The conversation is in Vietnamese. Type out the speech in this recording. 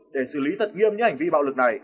để xử lý thật nghiêm những hành vi bạo lực này